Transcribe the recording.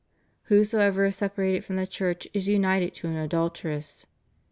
"Whosoever is separated from the Church is united to an adulteress.